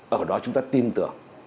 ở đó chúng ta tin tưởng